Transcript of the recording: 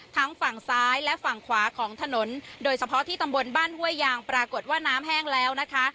ทั้งฝั่งซ้ายและฝั่งขวาของถนนโดยเฉพาะที่ตำบลบ้านห้วยยางปรากฏว่าน้ำแห้งแล้วนะคะ